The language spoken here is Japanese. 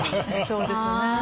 そうですね。